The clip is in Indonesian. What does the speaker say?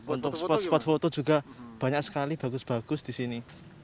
untuk spot spot foto juga banyak sekali bagus bagus di sini